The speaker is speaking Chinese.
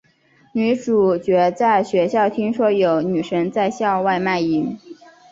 女主角在学校听说有女生在校外卖淫。